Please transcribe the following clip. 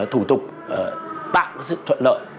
thủ tục tạo sự thuận lợi